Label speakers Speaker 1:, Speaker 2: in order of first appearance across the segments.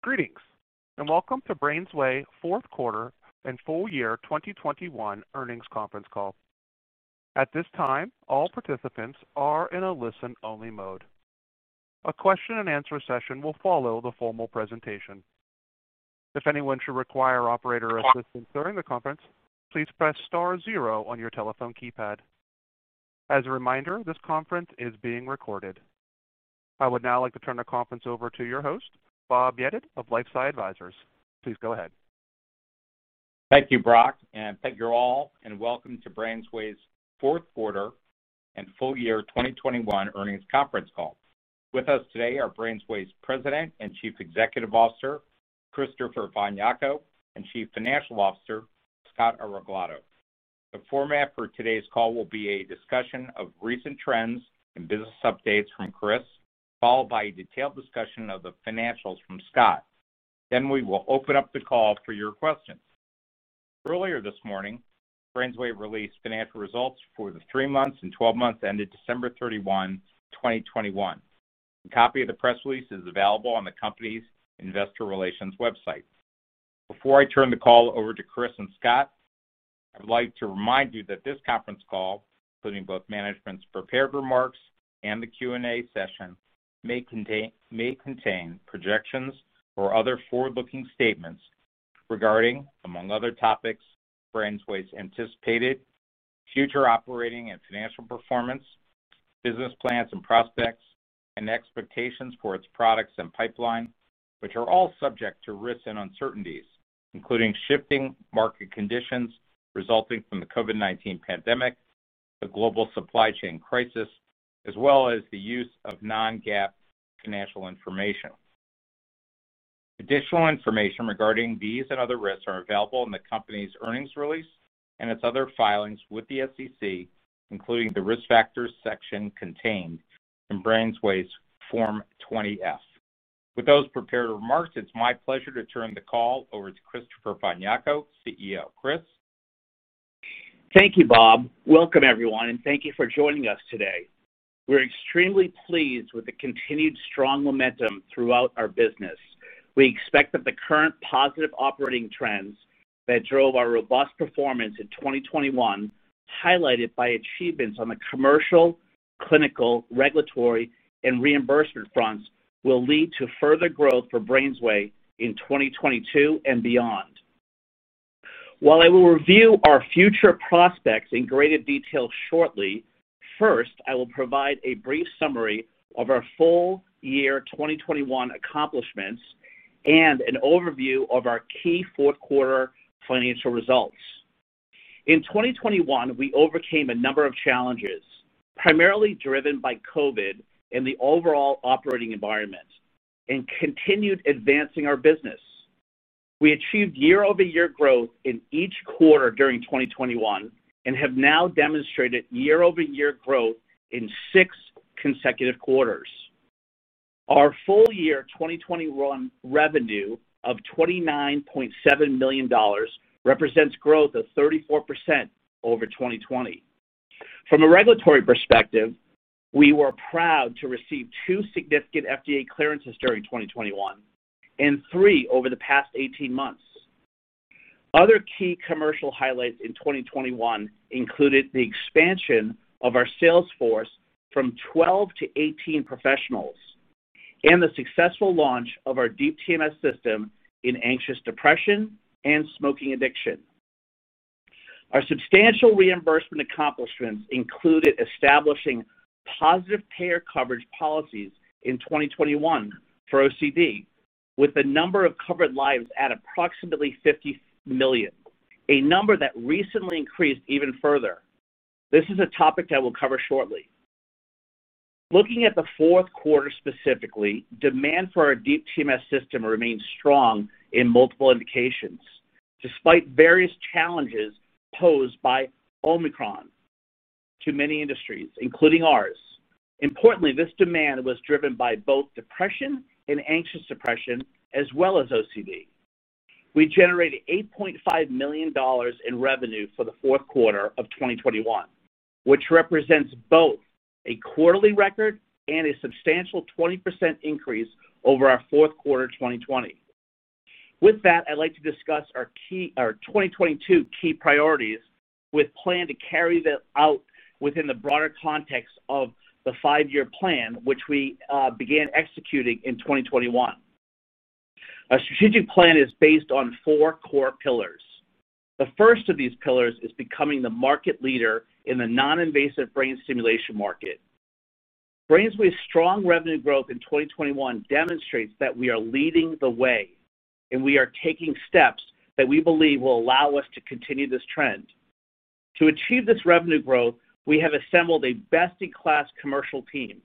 Speaker 1: Greetings, and welcome to BrainsWay fourth quarter and full year 2021 earnings conference call. At this time, all participants are in a listen-only mode. A question and answer session will follow the formal presentation. If anyone should require operator assistance during the conference, please press star zero on your telephone keypad. As a reminder, this conference is being recorded. I would now like to turn the conference over to your host, Bob Yedid of LifeSci Advisors. Please go ahead.
Speaker 2: Thank you, Brock, and thank you all, and welcome to BrainsWay's fourth quarter and full year 2021 earnings conference call. With us today are BrainsWay's President and Chief Executive Officer, Christopher von Jako, and Chief Financial Officer, Scott Areglado. The format for today's call will be a discussion of recent trends and business updates from Chris, followed by a detailed discussion of the financials from Scott. We will open up the call for your questions. Earlier this morning, BrainsWay released financial results for the three months and 12 months ended December 31, 2021. A copy of the press release is available on the company's investor relations website. Before I turn the call over to Chris and Scott, I would like to remind you that this conference call, including both management's prepared remarks and the Q&A session, may contain projections or other forward-looking statements regarding, among other topics, BrainsWay's anticipated future operating and financial performance, business plans and prospects, and expectations for its products and pipeline, which are all subject to risks and uncertainties, including shifting market conditions resulting from the COVID-19 pandemic, the global supply chain crisis, as well as the use of non-GAAP financial information. Additional information regarding these and other risks are available in the company's earnings release and its other filings with the SEC, including the Risk Factors section contained in BrainsWay's Form 20-F. With those prepared remarks, it's my pleasure to turn the call over to Christopher von Jako, CEO. Chris.
Speaker 3: Thank you, Bob. Welcome, everyone, and thank you for joining us today. We're extremely pleased with the continued strong momentum throughout our business. We expect that the current positive operating trends that drove our robust performance in 2021, highlighted by achievements on the commercial, clinical, regulatory, and reimbursement fronts, will lead to further growth for BrainsWay in 2022 and beyond. While I will review our future prospects in greater detail shortly, first, I will provide a brief summary of our full year 2021 accomplishments and an overview of our key fourth quarter financial results. In 2021, we overcame a number of challenges, primarily driven by COVID and the overall operating environment, and continued advancing our business. We achieved year-over-year growth in each quarter during 2021 and have now demonstrated year-over-year growth in six consecutive quarters. Our full year 2021 revenue of $29.7 million represents growth of 34% over 2020. From a regulatory perspective, we were proud to receive two significant FDA clearances during 2021 and three over the past 18 months. Other key commercial highlights in 2021 included the expansion of our sales force from 12-18 professionals and the successful launch of our Deep TMS system in anxious depression and smoking addiction. Our substantial reimbursement accomplishments included establishing positive payer coverage policies in 2021 for OCD, with the number of covered lives at approximately 50 million, a number that recently increased even further. This is a topic I will cover shortly. Looking at the fourth quarter specifically, demand for our Deep TMS system remains strong in multiple indications, despite various challenges posed by Omicron to many industries, including ours. Importantly, this demand was driven by both depression and anxious depression as well as OCD. We generated $8.5 million in revenue for the fourth quarter of 2021, which represents both a quarterly record and a substantial 20% increase over our fourth quarter 2020. With that, I'd like to discuss our 2022 key priorities with plan to carry them out within the broader context of the five-year plan, which we began executing in 2021. Our strategic plan is based on four core pillars. The first of these pillars is becoming the market leader in the non-invasive brain stimulation market. BrainsWay's strong revenue growth in 2021 demonstrates that we are leading the way, and we are taking steps that we believe will allow us to continue this trend. To achieve this revenue growth, we have assembled a best-in-class commercial team.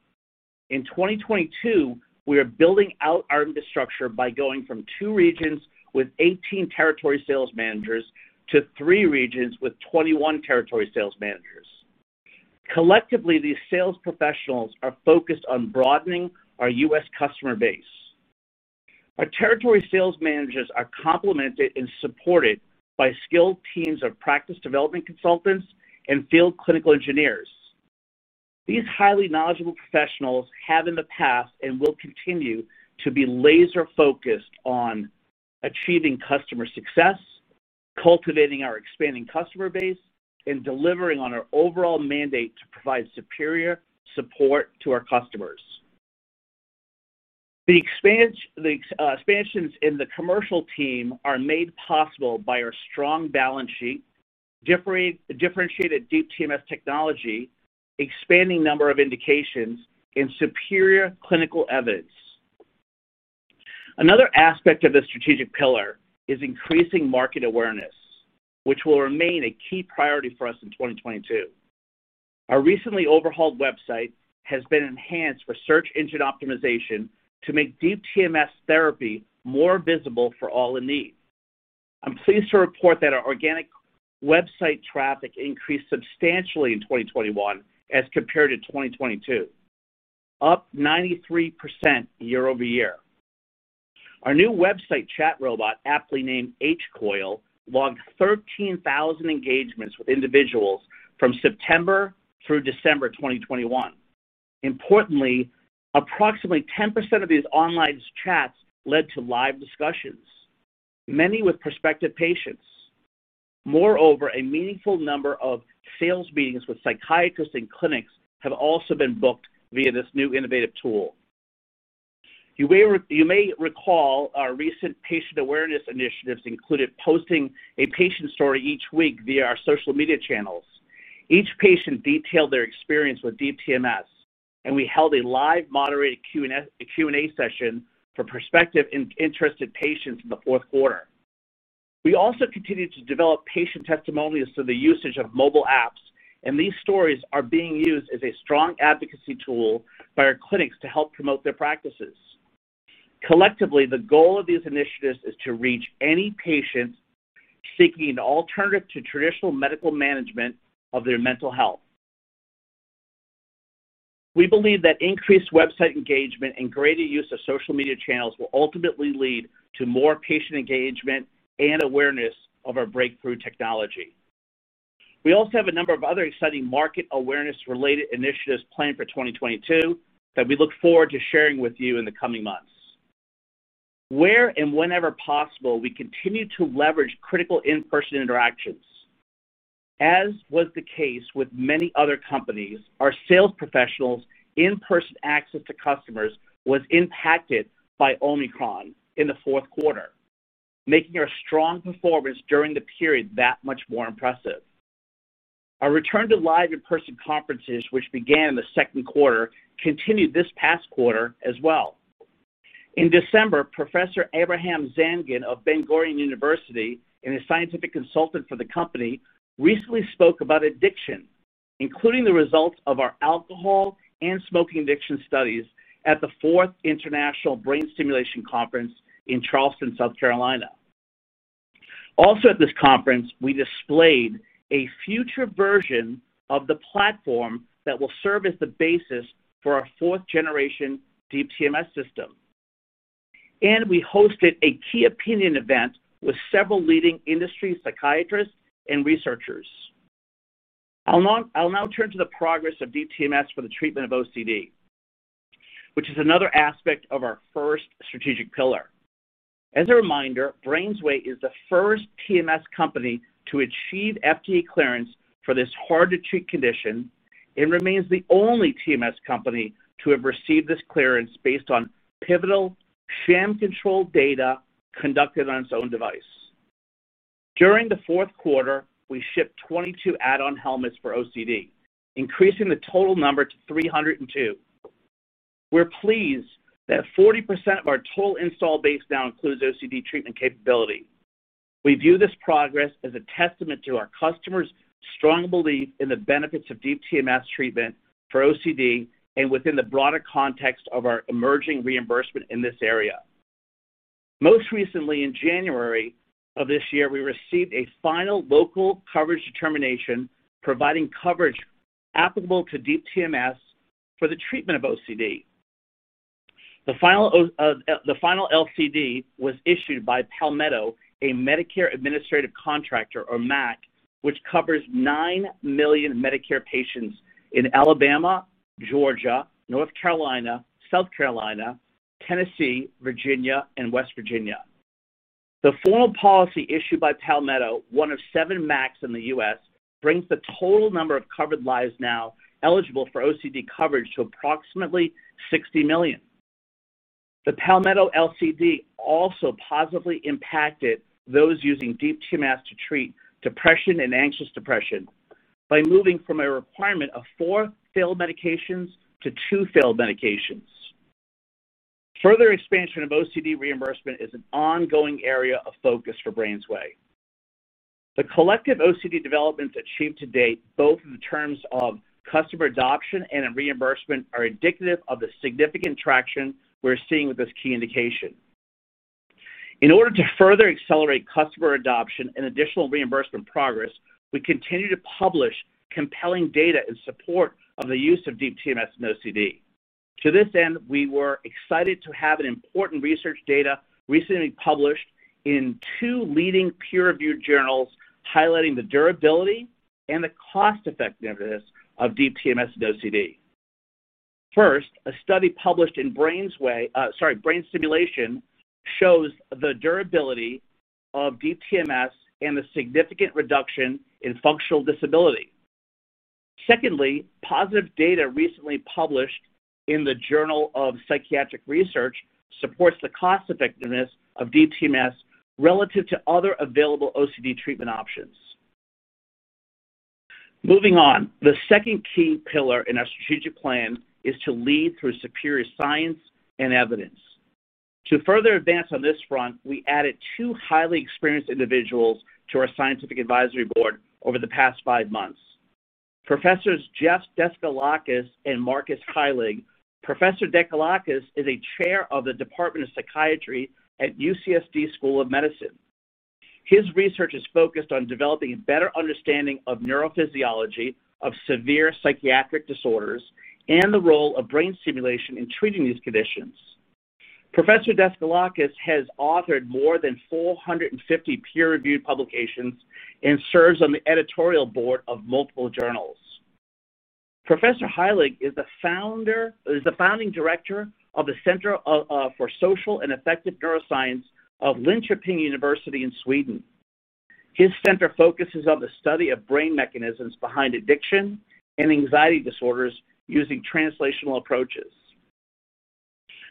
Speaker 3: In 2022, we are building out our infrastructure by going from two regions with 18 territory sales managers to three regions with 21 territory sales managers. Collectively, these sales professionals are focused on broadening our U.S. customer base. Our territory sales managers are complemented and supported by skilled teams of practice development consultants and field clinical engineers. These highly knowledgeable professionals have in the past and will continue to be laser-focused on achieving customer success, cultivating our expanding customer base, and delivering on our overall mandate to provide superior support to our customers. The expansions in the commercial team are made possible by our strong balance sheet, differentiated Deep TMS technology, expanding number of indications, and superior clinical evidence. Another aspect of this strategic pillar is increasing market awareness, which will remain a key priority for us in 2022. Our recently overhauled website has been enhanced for search engine optimization to make Deep TMS therapy more visible for all in need. I'm pleased to report that our organic website traffic increased substantially in 2021 as compared to 2022, up 93% year-over-year. Our new website chat robot, aptly named H-Coil, logged 13,000 engagements with individuals from September through December 2021. Importantly, approximately 10% of these online chats led to live discussions, many with prospective patients. Moreover, a meaningful number of sales meetings with psychiatrists and clinics have also been booked via this new innovative tool. You may recall our recent patient awareness initiatives included posting a patient story each week via our social media channels. Each patient detailed their experience with Deep TMS, and we held a live moderated Q&A session for prospective interested patients in the fourth quarter. We also continued to develop patient testimonials through the usage of mobile apps, and these stories are being used as a strong advocacy tool by our clinics to help promote their practices. Collectively, the goal of these initiatives is to reach any patients seeking an alternative to traditional medical management of their mental health. We believe that increased website engagement and greater use of social media channels will ultimately lead to more patient engagement and awareness of our breakthrough technology. We also have a number of other exciting market awareness-related initiatives planned for 2022 that we look forward to sharing with you in the coming months. Where and whenever possible, we continue to leverage critical in-person interactions. As was the case with many other companies, our sales professionals' in-person access to customers was impacted by Omicron in the fourth quarter, making our strong performance during the period that much more impressive. Our return to live in-person conferences, which began in the second quarter, continued this past quarter as well. In December, Professor Abraham Zangen of Ben-Gurion University and a scientific consultant for the company recently spoke about addiction, including the results of our alcohol and smoking addiction studies at the Fourth International Brain Stimulation Conference in Charleston, South Carolina. Also at this conference, we displayed a future version of the platform that will serve as the basis for our fourth-generation Deep TMS system. We hosted a key opinion event with several leading industry psychiatrists and researchers. I'll now turn to the progress of Deep TMS for the treatment of OCD, which is another aspect of our first strategic pillar. As a reminder, BrainsWay is the first TMS company to achieve FDA clearance for this hard-to-treat condition. It remains the only TMS company to have received this clearance based on pivotal sham-controlled data conducted on its own device. During the fourth quarter, we shipped 22 add-on helmets for OCD, increasing the total number to 302. We're pleased that 40% of our total install base now includes OCD treatment capability. We view this progress as a testament to our customers' strong belief in the benefits of Deep TMS treatment for OCD and within the broader context of our emerging reimbursement in this area. Most recently, in January of this year, we received a final local coverage determination providing coverage applicable to Deep TMS for the treatment of OCD. The final LCD was issued by Palmetto, a Medicare administrative contractor, or MAC, which covers 9 million Medicare patients in Alabama, Georgia, North Carolina, South Carolina, Tennessee, Virginia, and West Virginia. The formal policy issued by Palmetto, one of seven MACs in the U.S., brings the total number of covered lives now eligible for OCD coverage to approximately 60 million. The Palmetto LCD also positively impacted those using Deep TMS to treat depression and anxious depression by moving from a requirement of 4 failed medications to two failed medications. Further expansion of OCD reimbursement is an ongoing area of focus for BrainsWay. The collective OCD developments achieved to date, both in terms of customer adoption and in reimbursement, are indicative of the significant traction we're seeing with this key indication. In order to further accelerate customer adoption and additional reimbursement progress, we continue to publish compelling data in support of the use of Deep TMS in OCD. To this end, we were excited to have important research data recently published in two leading peer-reviewed journals highlighting the durability and the cost effectiveness of Deep TMS in OCD. First, a study published in Brain Stimulation shows the durability of Deep TMS and the significant reduction in functional disability. Secondly, positive data recently published in the Journal of Psychiatric Research supports the cost effectiveness of Deep TMS relative to other available OCD treatment options. Moving on. The second key pillar in our strategic plan is to lead through superior science and evidence. To further advance on this front, we added two highly experienced individuals to our scientific advisory board over the past five months. Professors Jeff Daskalakis and Markus Heilig. Professor Daskalakis is Chair of the Department of Psychiatry at UC San Diego School of Medicine. His research is focused on developing a better understanding of neurophysiology of severe psychiatric disorders and the role of brain stimulation in treating these conditions. Professor Daskalakis has authored more than 450 peer-reviewed publications and serves on the editorial board of multiple journals. Professor Heilig is the founding director of the Center for Social and Affective Neuroscience of Linköping University in Sweden. His center focuses on the study of brain mechanisms behind addiction and anxiety disorders using translational approaches.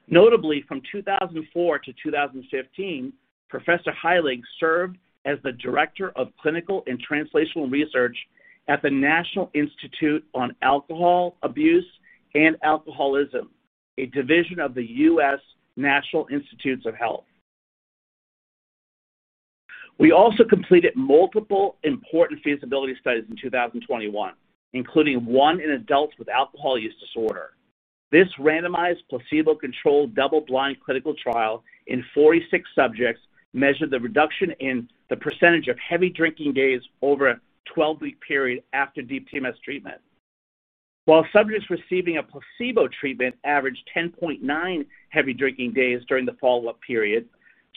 Speaker 3: Notably, from 2004 to 2015, Professor Heilig served as the Director of Clinical and Translational Research at the National Institute on Alcohol Abuse and Alcoholism, a division of the U.S. National Institutes of Health. We also completed multiple important feasibility studies in 2021, including one in adults with alcohol use disorder. This randomized, placebo-controlled, double-blind clinical trial in 46 subjects measured the reduction in the percentage of heavy drinking days over a 12-week period after Deep TMS treatment. While subjects receiving a placebo treatment averaged 10.9% heavy drinking days during the follow-up period,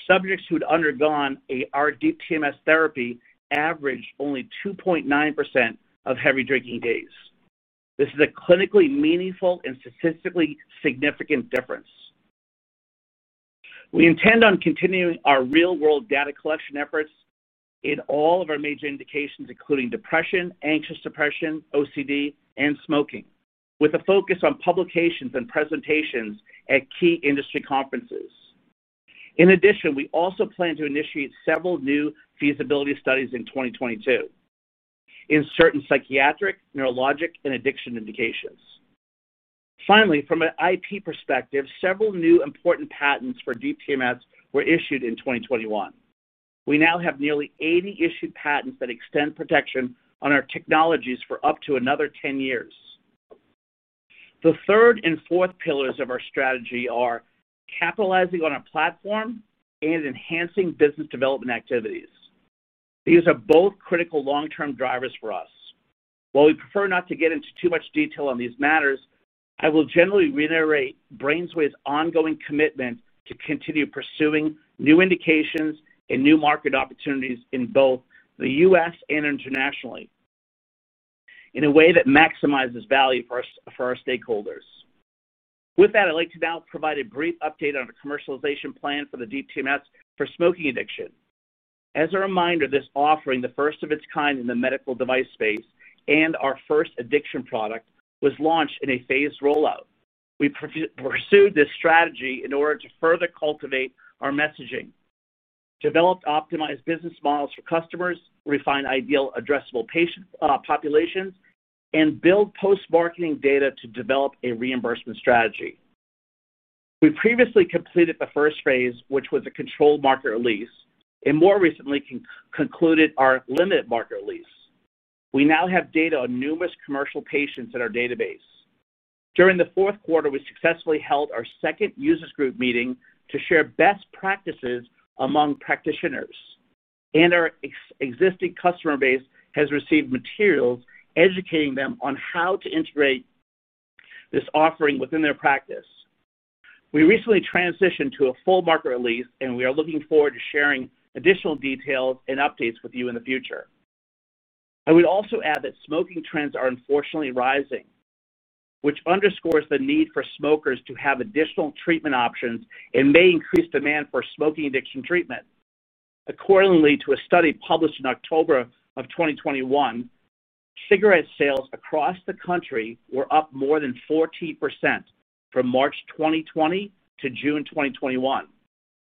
Speaker 3: subjects who'd undergone a Deep TMS therapy averaged only 2.9% of heavy drinking days. This is a clinically meaningful and statistically significant difference. We intend on continuing our real-world data collection efforts in all of our major indications, including depression, anxious depression, OCD, and smoking, with a focus on publications and presentations at key industry conferences. In addition, we also plan to initiate several new feasibility studies in 2022 in certain psychiatric, neurologic, and addiction indications. Finally, from an IP perspective, several new important patents for Deep TMS were issued in 2021. We now have nearly 80 issued patents that extend protection on our technologies for up to another 10 years. The third and fourth pillars of our strategy are capitalizing on our platform and enhancing business development activities. These are both critical long-term drivers for us. While we prefer not to get into too much detail on these matters, I will generally reiterate BrainsWay's ongoing commitment to continue pursuing new indications and new market opportunities in both the U.S. and internationally in a way that maximizes value for our stakeholders. With that, I'd like to now provide a brief update on the commercialization plan for the Deep TMS for smoking addiction. As a reminder, this offering, the first of its kind in the medical device space and our first addiction product, was launched in a phased rollout. We pursued this strategy in order to further cultivate our messaging, develop optimized business models for customers, refine ideal addressable patient populations, and build post-marketing data to develop a reimbursement strategy. We previously completed the first phase, which was a controlled market release, and more recently concluded our limited market release. We now have data on numerous commercial patients in our database. During the fourth quarter, we successfully held our second users group meeting to share best practices among practitioners, and our existing customer base has received materials educating them on how to integrate this offering within their practice. We recently transitioned to a full market release, and we are looking forward to sharing additional details and updates with you in the future. I would also add that smoking trends are unfortunately rising, which underscores the need for smokers to have additional treatment options and may increase demand for smoking addiction treatment. According to a study published in October 2021, cigarette sales across the country were up more than 14% from March 2020 to June 2021.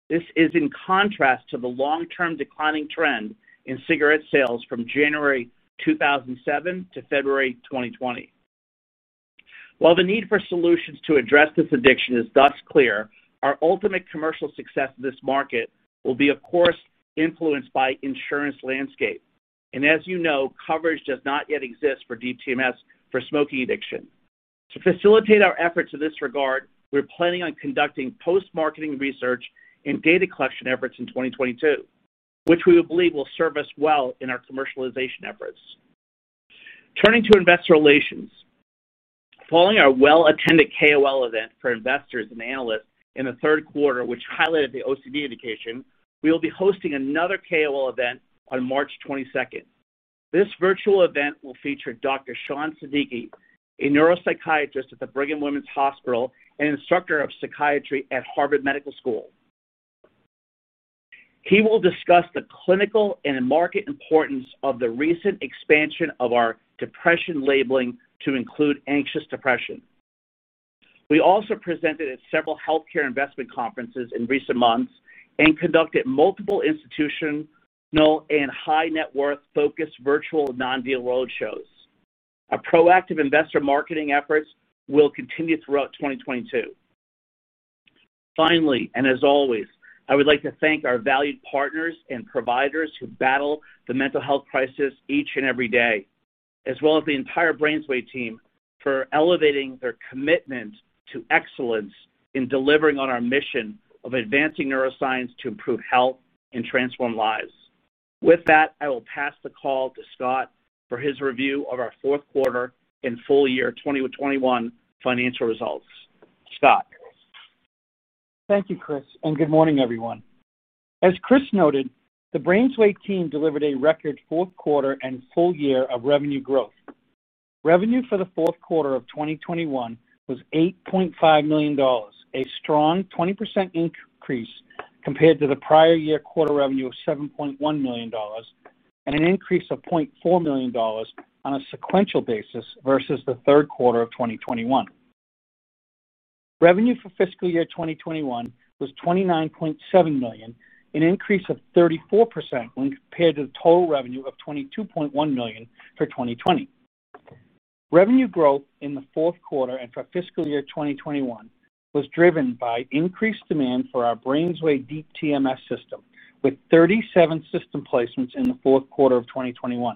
Speaker 3: This is in contrast to the long-term declining trend in cigarette sales from January 2007 to February 2020. While the need for solutions to address this addiction is thus clear, our ultimate commercial success in this market will be, of course, influenced by insurance landscape. As you know, coverage does not yet exist for Deep TMS for smoking addiction. To facilitate our efforts in this regard, we're planning on conducting post-marketing research and data collection efforts in 2022, which we believe will serve us well in our commercialization efforts. Turning to investor relations. Following our well-attended KOL event for investors and analysts in the third quarter, which highlighted the OCD indication, we will be hosting another KOL event on March 22. This virtual event will feature Dr. Shan Siddiqi, a neuropsychiatrist at the Brigham and Women's Hospital and instructor of psychiatry at Harvard Medical School. He will discuss the clinical and market importance of the recent expansion of our depression labeling to include anxious depression. We also presented at several healthcare investment conferences in recent months and conducted multiple institutional and high net worth focused virtual non-deal roadshows. Our proactive investor marketing efforts will continue throughout 2022. Finally, and as always, I would like to thank our valued partners and providers who battle the mental health crisis each and every day, as well as the entire BrainsWay team for elevating their commitment to excellence in delivering on our mission of advancing neuroscience to improve health and transform lives. With that, I will pass the call to Scott for his review of our fourth quarter and full year 2021 financial results. Scott.
Speaker 4: Thank you, Chris, and good morning, everyone. As Chris noted, the BrainsWay team delivered a record fourth quarter and full year of revenue growth. Revenue for the fourth quarter of 2021 was $8.5 million, a strong 20% increase compared to the prior year quarter revenue of $7.1 million, and an increase of $0.4 million on a sequential basis versus the third quarter of 2021. Revenue for fiscal year 2021 was $29.7 million, an increase of 34% when compared to the total revenue of $22.1 million for 2020. Revenue growth in the fourth quarter and for fiscal year 2021 was driven by increased demand for our BrainsWay Deep TMS system with 37 system placements in the fourth quarter of 2021.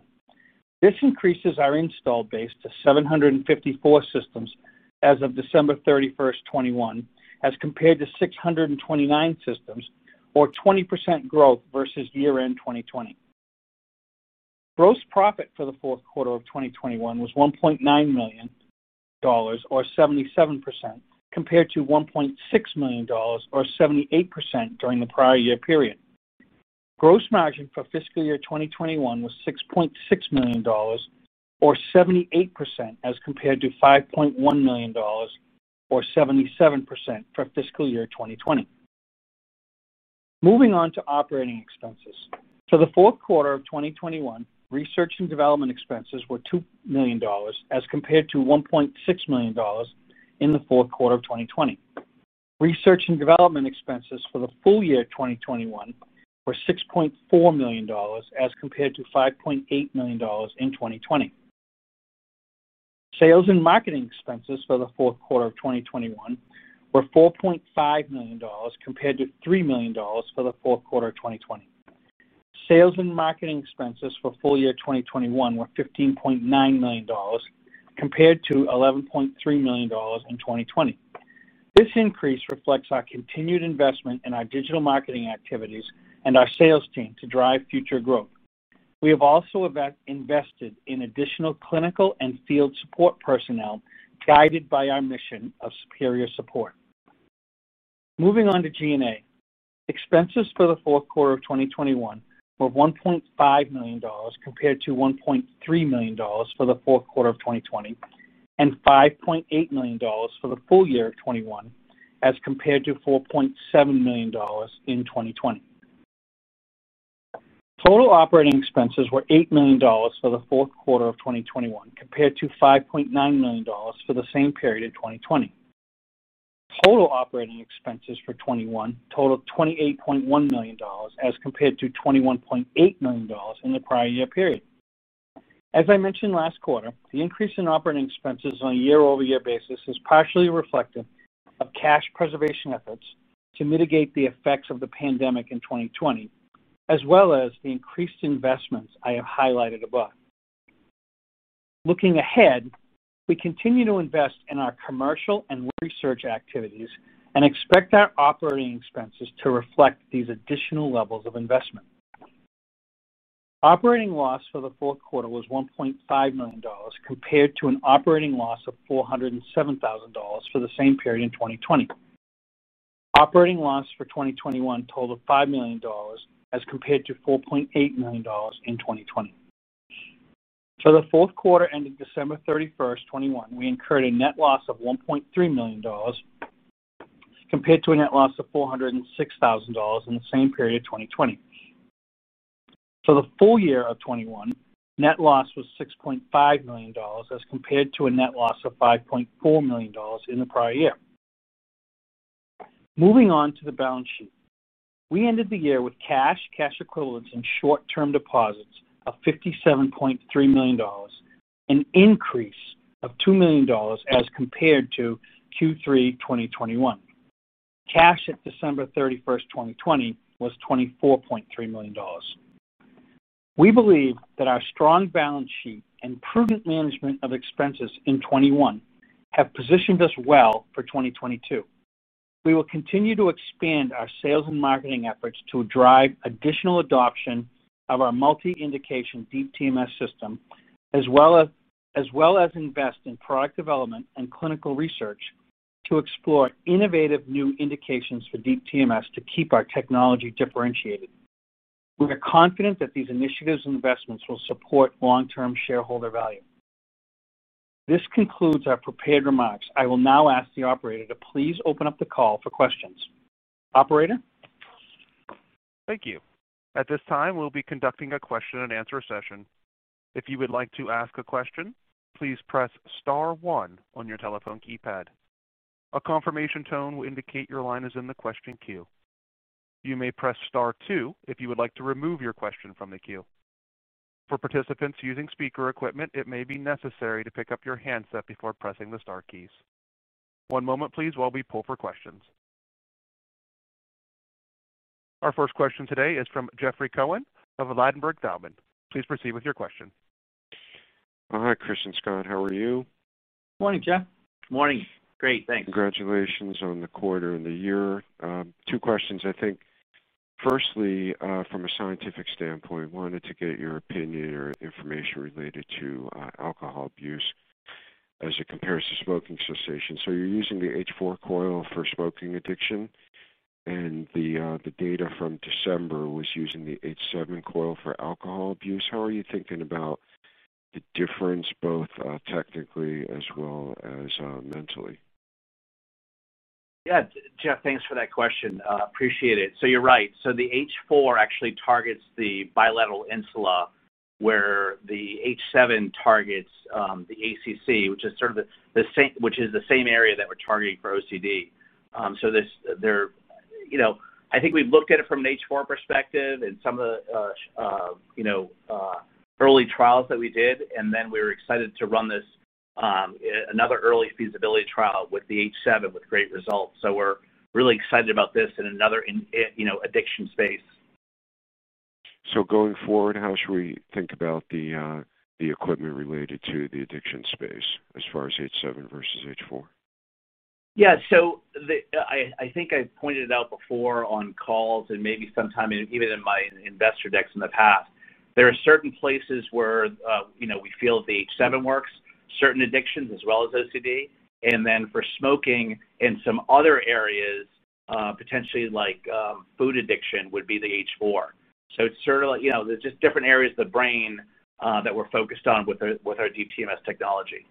Speaker 4: This increases our installed base to 754 systems as of December 31, 2021, as compared to 629 systems or 20% growth versus year-end 2020. Gross profit for the fourth quarter of 2021 was $1.9 million or 77%, compared to $1.6 million or 78% during the prior year period. Gross margin for fiscal year 2021 was $6.6 million or 78% as compared to $5.1 million or 77% for fiscal year 2020. Moving on to operating expenses. For the fourth quarter of 2021, research and development expenses were $2 million as compared to $1.6 million in the fourth quarter of 2020. Research and development expenses for the full year 2021 were $6.4 million as compared to $5.8 million in 2020. Sales and marketing expenses for the fourth quarter of 2021 were $4.5 million compared to $3 million for the fourth quarter of 2020. Sales and marketing expenses for full year 2021 were $15.9 million compared to $11.3 million in 2020. This increase reflects our continued investment in our digital marketing activities and our sales team to drive future growth. We have also invested in additional clinical and field support personnel guided by our mission of superior support. Moving on to G&A. Expenses for the fourth quarter of 2021 were $1.5 million compared to $1.3 million for the fourth quarter of 2020, and $5.8 million for the full year of 2021 as compared to $4.7 million in 2020. Total operating expenses were $8 million for the fourth quarter of 2021 compared to $5.9 million for the same period in 2020. Total operating expenses for 2021 totaled $28.1 million as compared to $21.8 million in the prior year period. As I mentioned last quarter, the increase in operating expenses on a year-over-year basis is partially reflective of cash preservation efforts to mitigate the effects of the pandemic in 2020, as well as the increased investments I have highlighted above. Looking ahead, we continue to invest in our commercial and research activities and expect our operating expenses to reflect these additional levels of investment. Operating loss for the fourth quarter was $1.5 million compared to an operating loss of $407,000 for the same period in 2020. Operating loss for 2021 totaled $5 million as compared to $4.8 million in 2020. For the fourth quarter ending December 31, 2021, we incurred a net loss of $1.3 million compared to a net loss of $406,000 in the same period of 2020. For the full year of 2021, net loss was $6.5 million as compared to a net loss of $5.4 million in the prior year. Moving on to the balance sheet. We ended the year with cash equivalents, and short-term deposits of $57.3 million, an increase of $2 million as compared to Q3 2021. Cash at December 31, 2020 was $24.3 million. We believe that our strong balance sheet and prudent management of expenses in 2021 have positioned us well for 2022. We will continue to expand our sales and marketing efforts to drive additional adoption of our multi-indication Deep TMS system as well as invest in product development and clinical research to explore innovative new indications for Deep TMS to keep our technology differentiated. We are confident that these initiatives and investments will support long-term shareholder value. This concludes our prepared remarks. I will now ask the operator to please open up the call for questions. Operator?
Speaker 1: Thank you. At this time, we'll be conducting a question and answer session. If you would like to ask a question, please press star one on your telephone keypad. A confirmation tone will indicate your line is in the question queue. You may press star two if you would like to remove your question from the queue. For participants using speaker equipment, it may be necessary to pick up your handset before pressing the star keys. One moment please while we pull for questions. Our first question today is from Jeffrey Cohen of Ladenburg Thalmann. Please proceed with your question.
Speaker 5: Hi, Chris and Scott. How are you?
Speaker 4: Morning, Jeff.
Speaker 3: Morning. Great, thanks.
Speaker 5: Congratulations on the quarter and the year. Two questions. I think firstly, from a scientific standpoint, I wanted to get your opinion or information related to alcohol abuse as it compares to smoking cessation. You're using the H4 coil for smoking addiction, and the data from December was using the H7 coil for alcohol abuse. How are you thinking about the difference, both technically as well as mentally?
Speaker 3: Yeah. Jeff, thanks for that question. Appreciate it. You're right. The H4 actually targets the bilateral insula, where the H7 targets the ACC, which is the same area that we're targeting for OCD. I think we've looked at it from an H4 perspective in some of the early trials that we did, and then we were excited to run another early feasibility trial with the H7 with great results. We're really excited about this, you know, in the addiction space.
Speaker 5: Going forward, how should we think about the equipment related to the addiction space as far as H7 versus H4?
Speaker 3: Yeah. I think I pointed out before on calls and maybe sometime even in my investor decks in the past, there are certain places where you know, we feel the H7 works, certain addictions as well as OCD. For smoking and some other areas, potentially like food addiction would be the H4. It's sort of like, you know, there's just different areas of the brain that we're focused on with our deep TMS technology.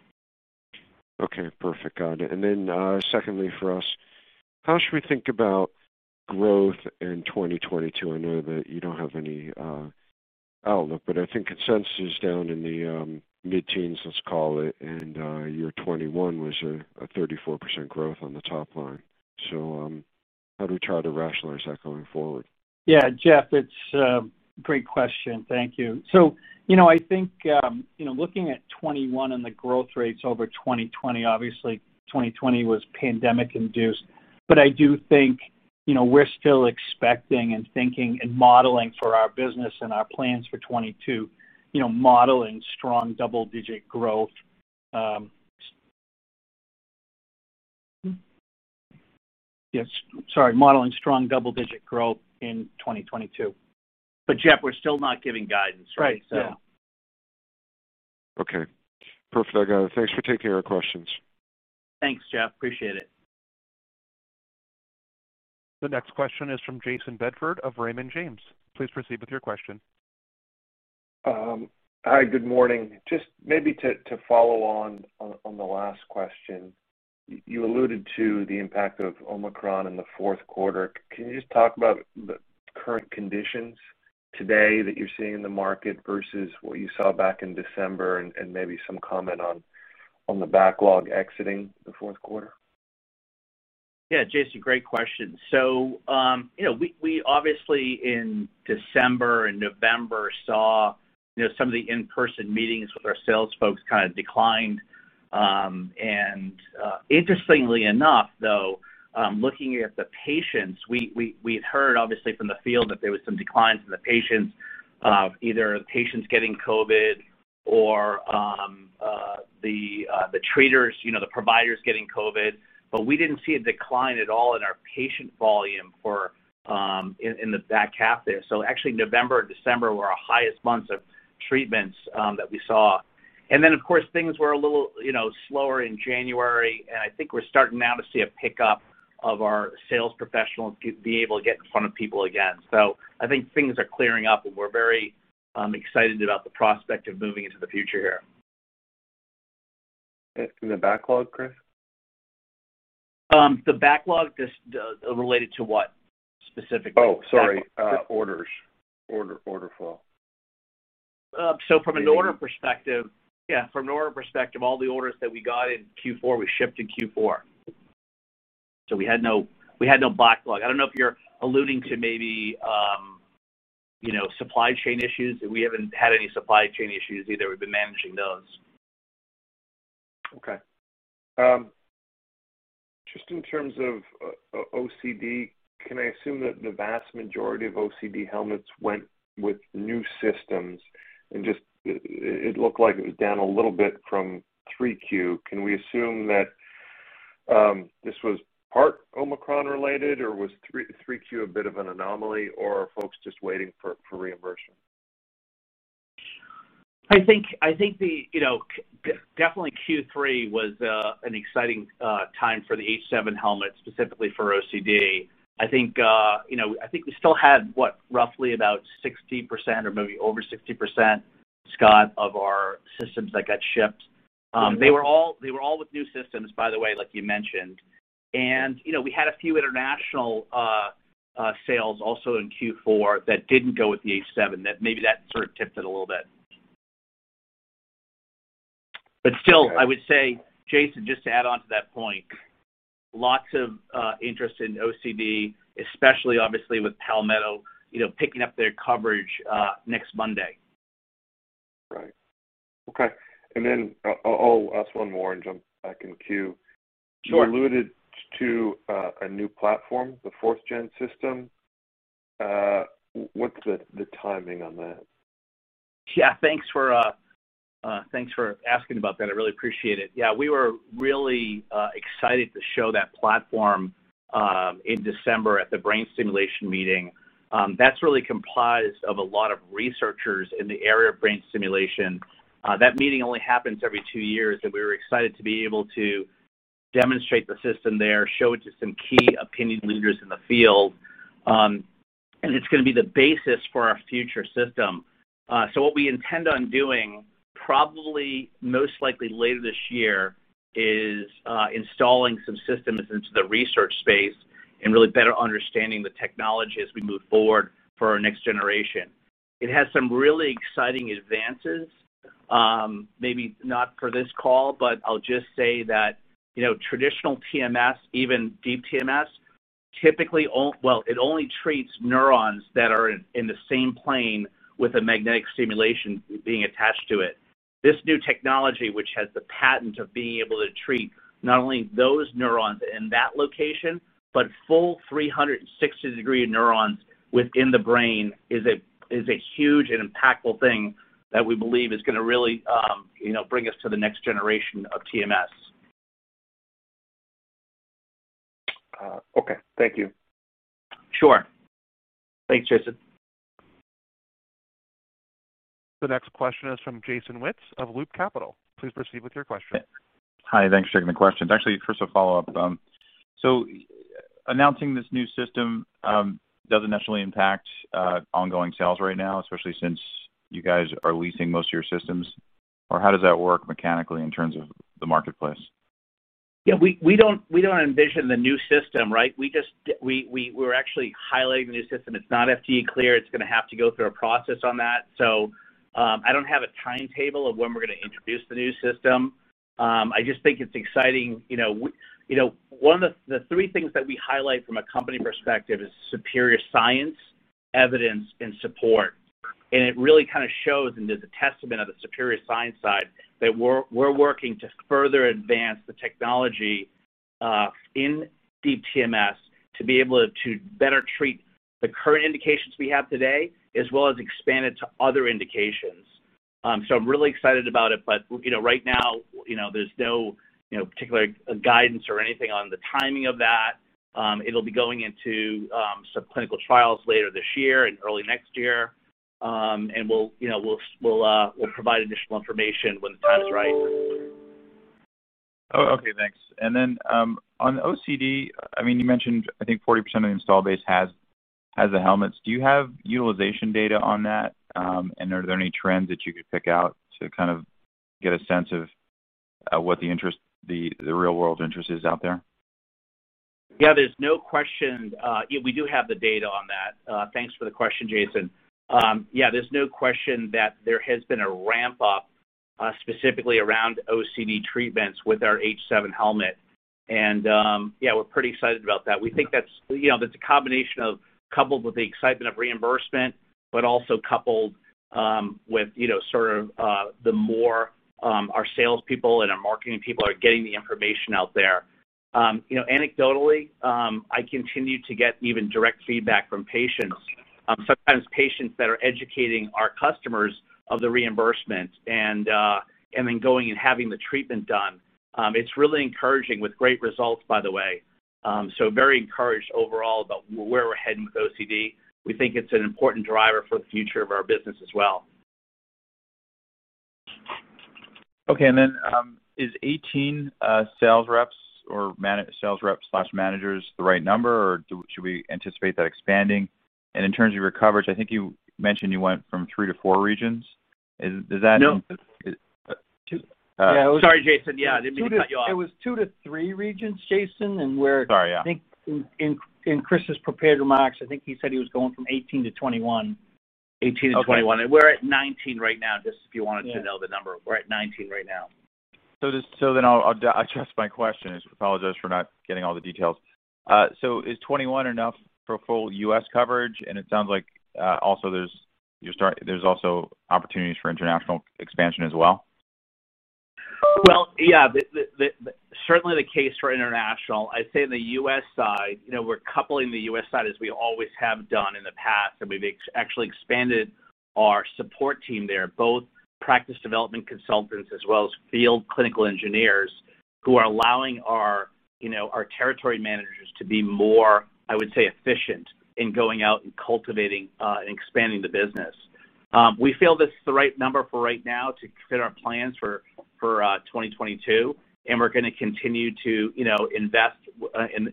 Speaker 5: Okay. Perfect. Got it. Secondly for us, how should we think about growth in 2022? I know that you don't have any outlook, but I think consensus is down in the mid-teens%, let's call it, and your 2021 was a 34% growth on the top line. How do we try to rationalize that going forward?
Speaker 4: Yeah. Jeff, it's a great question. Thank you. I think you know, looking at 2021 and the growth rates over 2020, obviously 2020 was pandemic induced. I do think we're still expecting and thinking and modeling for our business and our plans for 2022, you know, modeling strong double-digit growth in 2022.
Speaker 3: Jeff, we're still not giving guidance, right?
Speaker 4: Right. Yeah.
Speaker 5: Okay. Perfect. I got it. Thanks for taking our questions.
Speaker 3: Thanks, Jeff. Appreciate it.
Speaker 1: The next question is from Jayson Bedford of Raymond James. Please proceed with your question.
Speaker 6: Hi. Good morning. Just maybe to follow on the last question. You alluded to the impact of Omicron in the fourth quarter. Can you just talk about the current conditions today that you're seeing in the market versus what you saw back in December and maybe some comment on the backlog exiting the fourth quarter?
Speaker 3: Yeah. Jason, great question. You know, we obviously in December and November saw, you know, some of the in-person meetings with our sales folks kind of declined. Interestingly enough, though, looking at the patients, we'd heard obviously from the field that there was some declines in the patients, either patients getting COVID or the treaters, you know, the providers getting COVID, but we didn't see a decline at all in our patient volume for in the back half there. Actually, November, December were our highest months of treatments that we saw. Of course, things were a little, you know, slower in January, and I think we're starting now to see a pickup of our sales professionals to be able to get in front of people again. I think things are clearing up, and we're very excited about the prospect of moving into the future here.
Speaker 6: The backlog, Chris?
Speaker 3: The backlog related to what specifically?
Speaker 6: Oh, sorry. Order flow.
Speaker 3: From an order perspective, all the orders that we got in Q4 were shipped in Q4. We had no backlog. I don't know if you're alluding to maybe supply chain issues. We haven't had any supply chain issues either. We've been managing those.
Speaker 6: Okay. Just in terms of OCD. Can I assume that the vast majority of OCD helmets went with new systems and just it looked like it was down a little bit from 3Q. Can we assume that this was part Omicron related or was 3Q a bit of an anomaly, or are folks just waiting for reimbursement?
Speaker 3: I think the, you know, definitely Q3 was an exciting time for the H7 helmet, specifically for OCD. I think you know we still had, what, roughly about 60% or maybe over 60%, Scott, of our systems that got shipped. They were all with new systems, by the way, like you mentioned. You know, we had a few international sales also in Q4 that didn't go with the H7 that maybe that sort of tipped it a little bit. But still-
Speaker 6: Okay...
Speaker 3: I would say, Jason, just to add on to that point, lots of interest in OCD, especially obviously with Palmetto, you know, picking up their coverage next Monday.
Speaker 6: Right. Okay. I'll ask one more and jump back in queue.
Speaker 3: Sure.
Speaker 6: You alluded to a new platform, the fourth-gen system. What's the timing on that?
Speaker 3: Yeah, thanks for asking about that. I really appreciate it. Yeah, we were really excited to show that platform in December at the brain stimulation meeting. That's really comprised of a lot of researchers in the area of brain stimulation. That meeting only happens every two years, and we were excited to be able to demonstrate the system there, show it to some key opinion leaders in the field. It's gonna be the basis for our future system. What we intend on doing probably most likely later this year is installing some systems into the research space and really better understanding the technology as we move forward for our next generation. It has some really exciting advances, maybe not for this call, but I'll just say that, you know, traditional TMS, even deep TMS, typically it only treats neurons that are in the same plane with a magnetic stimulation being attached to it. This new technology, which has the patent of being able to treat not only those neurons in that location, but full 360-degree neurons within the brain is a huge and impactful thing that we believe is gonna really, you know, bring us to the next generation of TMS.
Speaker 6: Okay. Thank you.
Speaker 3: Sure. Thanks, Jason.
Speaker 1: The next question is from Jason Wittes of Loop Capital Markets. Please proceed with your question.
Speaker 7: Hi. Thanks for taking the question. Actually, first a follow-up. Announcing this new system doesn't necessarily impact ongoing sales right now, especially since you guys are leasing most of your systems. How does that work mechanically in terms of the marketplace?
Speaker 3: Yeah. We don't envision the new system, right? We're actually highlighting the new system. It's not FDA cleared. It's gonna have to go through a process on that. I don't have a timetable of when we're gonna introduce the new system. I just think it's exciting. You know, one of the three things that we highlight from a company perspective is superior science, evidence, and support. It really kind of shows and is a testament to the superior science side that we're working to further advance the technology in Deep TMS to be able to better treat the current indications we have today, as well as expand it to other indications. I'm really excited about it, but you know, right now, you know, there's no you know, particular guidance or anything on the timing of that. It'll be going into some clinical trials later this year and early next year. We'll you know, we'll provide additional information when the time is right.
Speaker 7: Oh, okay. Thanks. On OCD, I mean, you mentioned I think 40% of the installed base has the helmets. Do you have utilization data on that? Are there any trends that you could pick out to kind of get a sense of what the real world interest is out there?
Speaker 3: Yeah, there's no question. Yeah, we do have the data on that. Thanks for the question, Jason. Yeah, there's no question that there has been a ramp up, specifically around OCD treatments with our H7 helmet. Yeah, we're pretty excited about that. We think that's, you know, that's a combination of coupled with the excitement of reimbursement, but also coupled with, you know, sort of, the more our salespeople and our marketing people are getting the information out there. You know, anecdotally, I continue to get even direct feedback from patients, sometimes patients that are educating our customers of the reimbursement and then going and having the treatment done. It's really encouraging with great results, by the way. Very encouraged overall about where we're heading with OCD. We think it's an important driver for the future of our business as well.
Speaker 7: Okay. Is 18 sales reps/managers the right number or should we anticipate that expanding? In terms of your coverage, I think you mentioned you went from three to four regions. Does that-
Speaker 3: No.
Speaker 7: Is it two-
Speaker 3: Yeah. Sorry, Jason. Yeah, I didn't mean to cut you off.
Speaker 4: It was 2-3 regions, Jason.
Speaker 7: Sorry, yeah.
Speaker 4: I think in Chris's prepared remarks, I think he said he was going from 18 to 21.
Speaker 3: 18-21.
Speaker 7: Okay.
Speaker 3: We're at 19 right now, just if you wanted to know the number.
Speaker 4: Yeah.
Speaker 3: We're at 19 right now.
Speaker 7: I'll adjust my question. I apologize for not getting all the details. Is 21 enough for full U.S. coverage? It sounds like also there's opportunities for international expansion as well.
Speaker 3: Well, yeah, certainly the case for international. I'd say the U.S. side, you know, we're building the U.S. side as we always have done in the past, and we've actually expanded our support team there, both practice development consultants as well as field clinical engineers who are allowing our, you know, our territory managers to be more, I would say, efficient in going out and cultivating and expanding the business. We feel this is the right number for right now to fit our plans for 2022, and we're gonna continue to, you know, invest in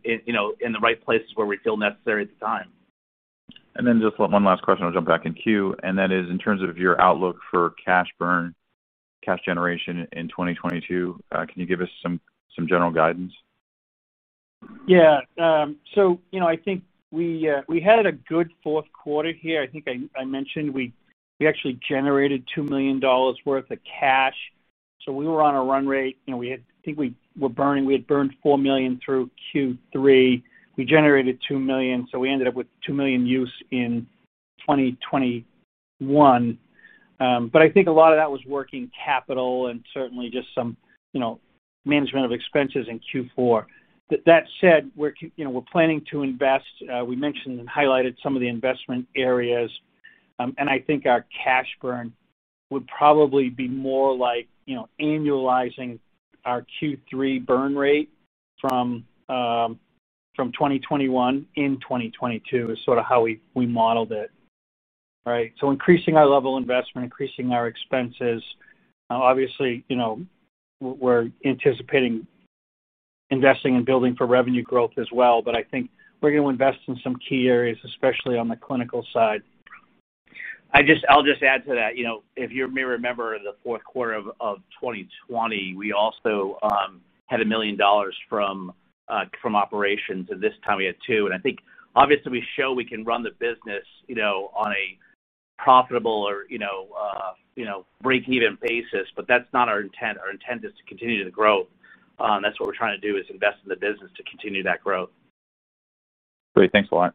Speaker 3: the right places where we feel necessary at the time.
Speaker 7: Just one last question, I'll jump back in queue. That is in terms of your outlook for cash burn, cash generation in 2022. Can you give us some general guidance?
Speaker 4: Yeah, you know, I think we had a good fourth quarter here. I think I mentioned we actually generated $2 million worth of cash. We were on a run rate. You know, we had burned $4 million through Q3. We generated $2 million, so we ended up with $2 million used in 2021. I think a lot of that was working capital and certainly just some management of expenses in Q4. That said, you know, we're planning to invest. We mentioned and highlighted some of the investment areas. I think our cash burn would probably be more like annualizing our Q3 burn rate from 2021 in 2022 is sort of how we modeled it. Right. Increasing our level investment, increasing our expenses, obviously, you know, we're anticipating investing and building for revenue growth as well. I think we're gonna invest in some key areas, especially on the clinical side.
Speaker 3: I'll just add to that. You know, if you may remember the fourth quarter of 2020, we also had $1 million from operations, and this time we had $2 million. I think obviously we show we can run the business, you know, on a profitable or break-even basis, but that's not our intent. Our intent is to continue to grow. That's what we're trying to do, is invest in the business to continue that growth.
Speaker 7: Great. Thanks a lot.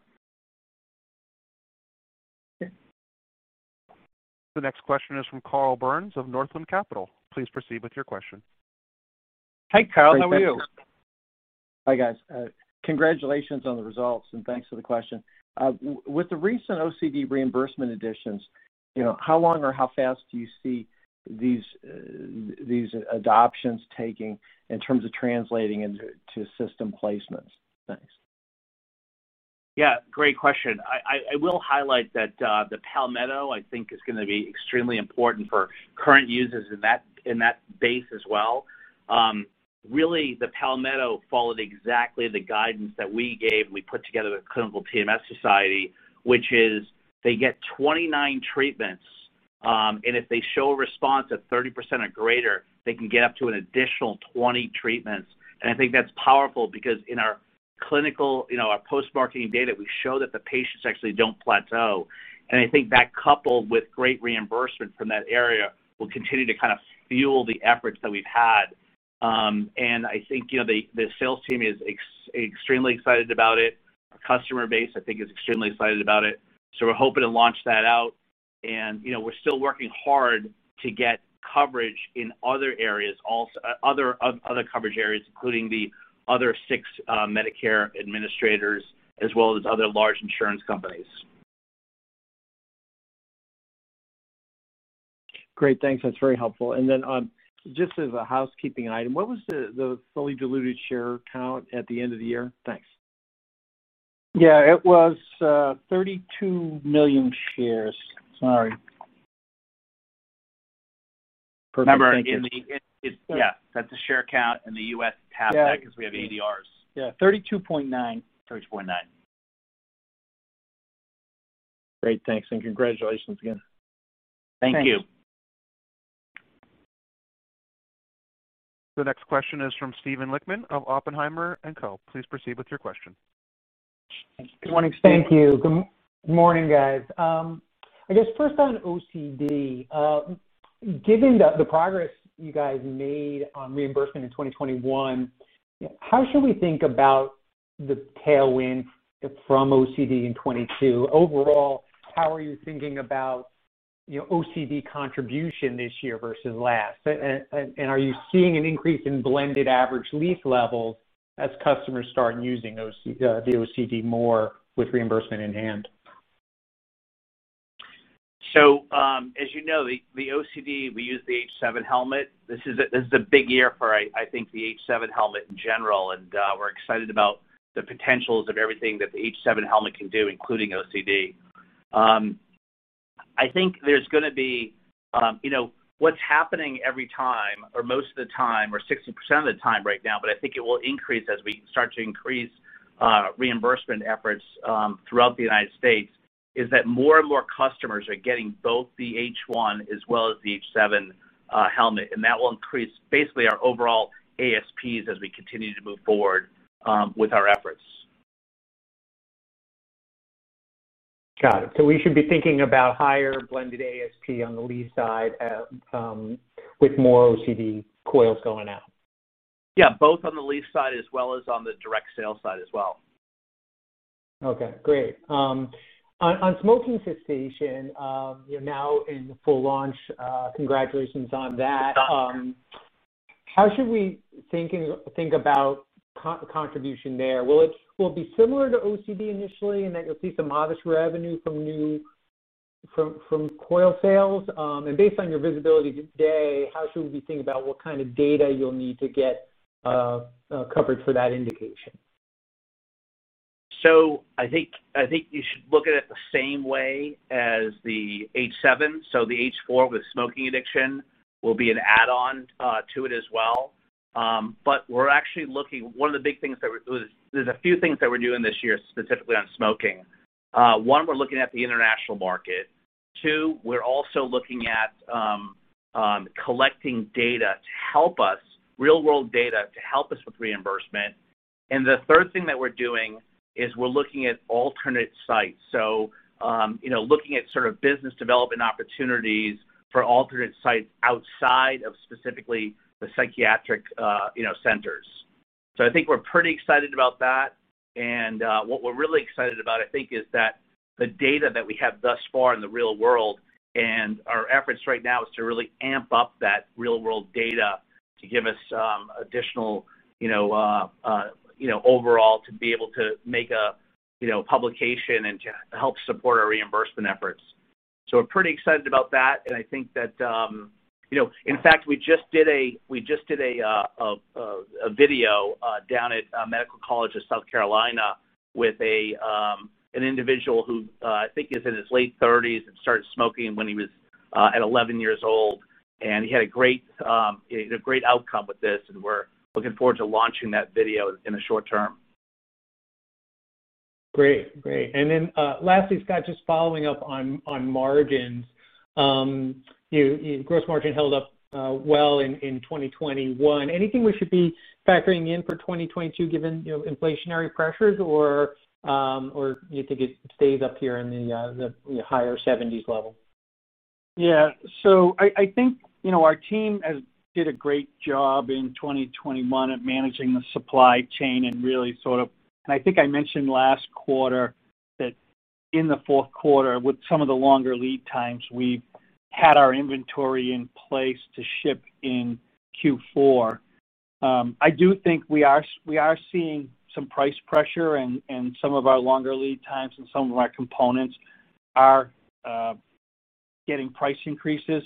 Speaker 4: Okay.
Speaker 1: The next question is from Carl Byrnes of Northland Capital. Please proceed with your question.
Speaker 4: Hey, Carl. How are you?
Speaker 8: Great question. Hi, guys. Congratulations on the results, and thanks for the question. With the recent OCD reimbursement additions, you know, how long or how fast do you see these adoptions taking in terms of translating into system placements? Thanks.
Speaker 3: Yeah. Great question. I will highlight that, the Palmetto, I think is gonna be extremely important for current users in that base as well. Really, the Palmetto followed exactly the guidance that we gave, and we put together the Clinical TMS Society, which is they get 29 treatments, and if they show a response at 30% or greater, they can get up to an additional 20 treatments. I think that's powerful because in our clinical, you know, our post-marketing data, we show that the patients actually don't plateau. I think that coupled with great reimbursement from that area, will continue to kind of fuel the efforts that we've had. I think, you know, the sales team is extremely excited about it. Our customer base, I think, is extremely excited about it. We're hoping to launch that out. You know, we're still working hard to get coverage in other areas also, other coverage areas, including the other six Medicare administrators as well as other large insurance companies.
Speaker 8: Great. Thanks. That's very helpful. Then, just as a housekeeping item, what was the fully diluted share count at the end of the year? Thanks.
Speaker 4: Yeah. It was 32 million shares. Sorry.
Speaker 8: Perfect. Thank you.
Speaker 3: Remember, that's a share count in the U.S. Nasdaq 'cause we have ADRs.
Speaker 4: Yeah. 32.9.
Speaker 3: 32.9.
Speaker 8: Great. Thanks, and congratulations again.
Speaker 4: Thanks.
Speaker 3: Thank you.
Speaker 1: The next question is from Steven Lichtman of Oppenheimer & Co. Please proceed with your question.
Speaker 4: Good morning, Steve.
Speaker 9: Thank you. Good morning, guys. I guess first on OCD, given the progress you guys made on reimbursement in 2021, how should we think about the tailwind from OCD in 2022? Overall, how are you thinking about, you know, OCD contribution this year versus last? Are you seeing an increase in blended average lease levels as customers start using the OCD more with reimbursement in hand?
Speaker 3: As you know, for OCD, we use the H7 helmet. This is a big year, I think, for the H7 helmet in general, and we're excited about the potentials of everything that the H7 helmet can do, including OCD. I think there's gonna be—You know, what's happening every time or most of the time or 60% of the time right now, but I think it will increase as we start to increase reimbursement efforts throughout the United States, is that more and more customers are getting both the H1 as well as the H7 helmet, and that will increase basically our overall ASPs as we continue to move forward with our efforts.
Speaker 9: Got it. We should be thinking about higher blended ASP on the lease side, with more OCD coils going out.
Speaker 3: Yeah, both on the lease side as well as on the direct sale side as well.
Speaker 9: Okay, great. On smoking cessation, you're now in full launch. Congratulations on that. How should we think about co-contribution there? Will it be similar to OCD initially, in that you'll see some modest revenue from new coil sales? Based on your visibility today, how should we be thinking about what kind of data you'll need to get covered for that indication?
Speaker 3: I think you should look at it the same way as the H7. The H4 with smoking addiction will be an add-on to it as well. There are a few things that we're doing this year, specifically on smoking. One, we're looking at the international market. Two, we're also looking at collecting data to help us, real-world data to help us with reimbursement. The third thing that we're doing is we're looking at alternate sites, you know, looking at sort of business development opportunities for alternate sites outside of specifically the psychiatric centers. I think we're pretty excited about that. What we're really excited about, I think, is that the data that we have thus far in the real world, and our efforts right now is to really amp up that real-world data to give us additional, you know, overall to be able to make a, you know, publication and to help support our reimbursement efforts. We're pretty excited about that, and I think that, you know. In fact, we just did a video down at Medical University of South Carolina with an individual who I think is in his late thirties and started smoking when he was at 11 years old. He had a great outcome with this, and we're looking forward to launching that video in the short term.
Speaker 9: Great. Lastly, Scott, just following up on margins. Gross margin held up well in 2021. Anything we should be factoring in for 2022, given you know inflationary pressures? Or you think it stays up here in the higher 70s% level?
Speaker 4: Yeah. I think, you know, our team has did a great job in 2021 at managing the supply chain and really sort of. I think I mentioned last quarter that in the fourth quarter, with some of the longer lead times, we had our inventory in place to ship in Q4. I do think we are seeing some price pressure in some of our longer lead times, and some of our components are getting price increases.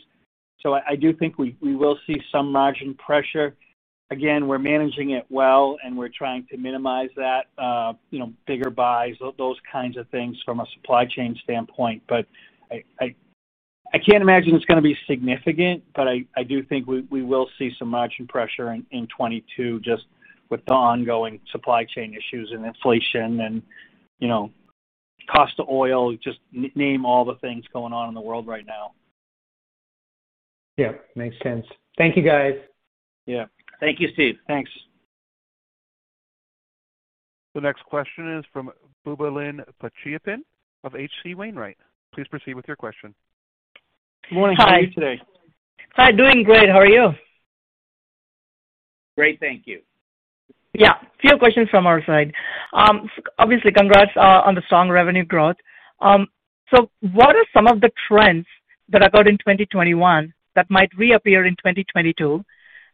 Speaker 4: I do think we will see some margin pressure. Again, we're managing it well, and we're trying to minimize that, you know, bigger buys, those kinds of things from a supply chain standpoint. I can't imagine it's gonna be significant, but I do think we will see some margin pressure in 2022 just with the ongoing supply chain issues and inflation and, you know, cost of oil, just name all the things going on in the world right now.
Speaker 9: Yeah. Makes sense. Thank you, guys.
Speaker 3: Yeah. Thank you, Steve.
Speaker 4: Thanks.
Speaker 1: The next question is from of H.C. Wainwright. Please proceed with your question.
Speaker 3: Morning. How are you today?
Speaker 10: Hi. Doing great. How are you?
Speaker 3: Great, thank you.
Speaker 10: Yeah. A few questions from our side. Obviously congrats on the strong revenue growth. What are some of the trends that occurred in 2021 that might reappear in 2022?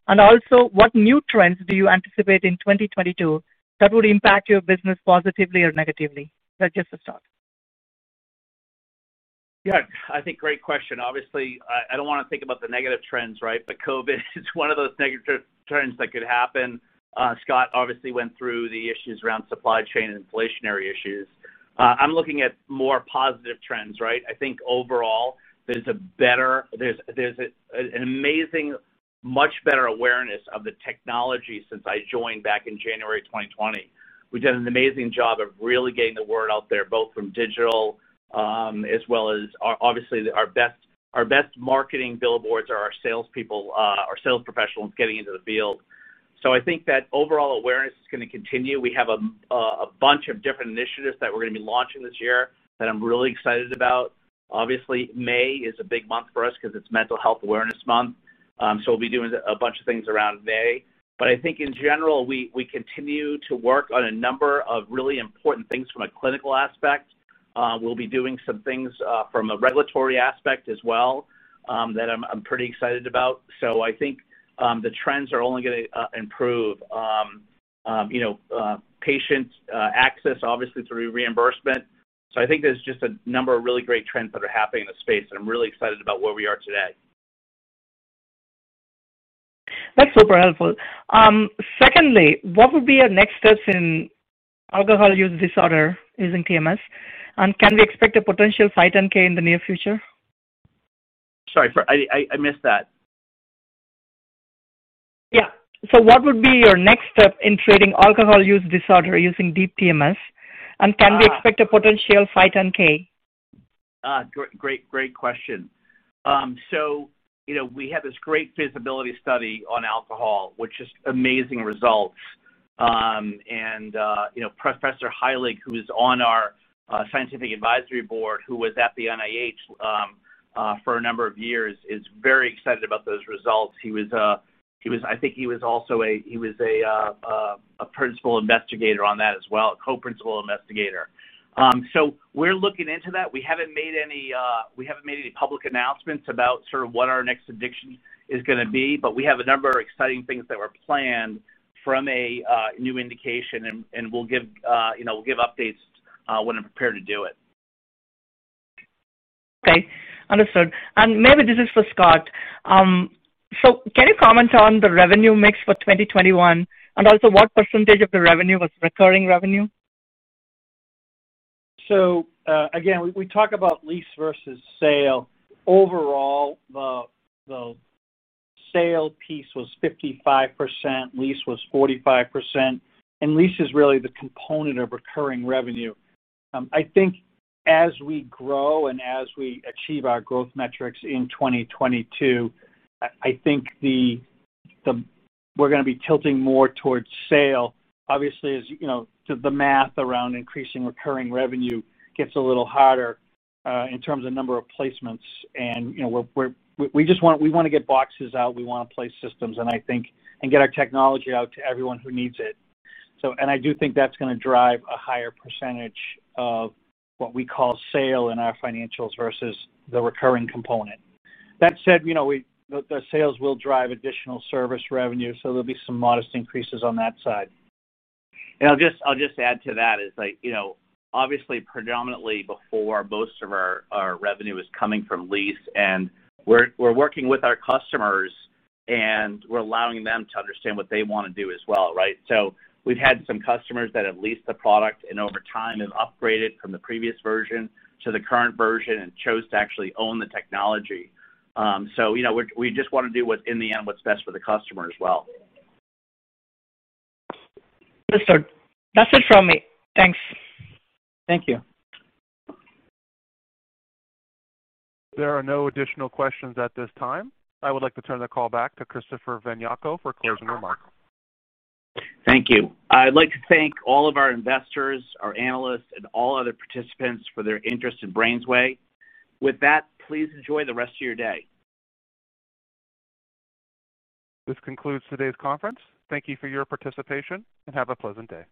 Speaker 10: Also, what new trends do you anticipate in 2022 that would impact your business positively or negatively? That's just a start.
Speaker 3: Yeah. I think great question. Obviously, I don't wanna think about the negative trends, right? COVID is one of those negative trends that could happen. Scott obviously went through the issues around supply chain and inflationary issues. I'm looking at more positive trends, right? I think overall, there's a much better awareness of the technology since I joined back in January 2020. We've done an amazing job of really getting the word out there, both from digital as well as our obviously, our best marketing billboards are our salespeople, our sales professionals getting into the field. I think that overall awareness is gonna continue. We have a bunch of different initiatives that we're gonna be launching this year that I'm really excited about. Obviously, May is a big month for us 'cause it's Mental Health Awareness Month. We'll be doing a bunch of things around May. I think in general, we continue to work on a number of really important things from a clinical aspect. We'll be doing some things from a regulatory aspect as well, that I'm pretty excited about. I think the trends are only gonna improve, you know, patient access, obviously, through reimbursement. I think there's just a number of really great trends that are happening in the space, and I'm really excited about where we are today.
Speaker 10: That's super helpful. Secondly, what would be your next steps in alcohol use disorder using TMS? Can we expect a potential 510(k) in the near future?
Speaker 3: Sorry, I missed that.
Speaker 10: Yeah. What would be your next step in treating alcohol use disorder using Deep TMS? And can we expect a potential 510(k)?
Speaker 3: Great question. So, you know, we have this great feasibility study on alcohol, which is amazing results. You know, Professor Heilig, who is on our scientific advisory board who was at the NIH for a number of years is very excited about those results. He was—I think he was also a principal investigator on that as well, co-principal investigator. So we're looking into that. We haven't made any public announcements about sort of what our next addiction is gonna be, but we have a number of exciting things that were planned from a new indication, and we'll give you know, we'll give updates when I'm prepared to do it.
Speaker 10: Okay. Understood. Maybe this is for Scott. Can you comment on the revenue mix for 2021 and also what percentage of the revenue was recurring revenue?
Speaker 4: Again, we talk about lease versus sale. Overall, the sale piece was 55%, lease was 45%, and lease is really the component of recurring revenue. I think as we grow and as we achieve our growth metrics in 2022, I think we're gonna be tilting more towards sale. Obviously, as you know, the math around increasing recurring revenue gets a little harder in terms of number of placements. You know, we're gonna get boxes out, we wanna place systems, and get our technology out to everyone who needs it. I do think that's gonna drive a higher percentage of what we call sale in our financials versus the recurring component. That said, you know, the sales will drive additional service revenue, so there'll be some modest increases on that side.
Speaker 3: I'll just add to that is like, you know, obviously predominantly before most of our revenue was coming from lease and we're working with our customers, and we're allowing them to understand what they wanna do as well, right? We've had some customers that have leased the product and over time have upgraded from the previous version to the current version and chose to actually own the technology. You know, we just wanna do what, in the end, what's best for the customer as well.
Speaker 10: Understood. That's it from me. Thanks.
Speaker 3: Thank you.
Speaker 1: There are no additional questions at this time. I would like to turn the call back to Christopher von Jako for closing remarks.
Speaker 3: Thank you. I'd like to thank all of our investors, our analysts, and all other participants for their interest in BrainsWay. With that, please enjoy the rest of your day.
Speaker 1: This concludes today's conference. Thank you for your participation, and have a pleasant day.